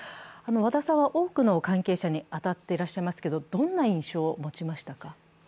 和田さんは多くの関係者に当たっていらっしゃいますけれど、どんな印象をお持ちになりましたか？